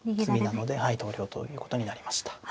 詰みなのではい投了ということになりました。